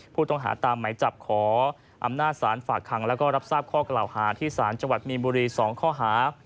ผู้ต้องหาตามไหมจับขออำนาจศาลฝากคังแล้วก็รับทราบข้อกล่าวหาที่ศาลจังหวัดมีนบุรี๒ข้อหา